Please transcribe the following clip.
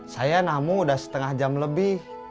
saya namu udah setengah jam lebih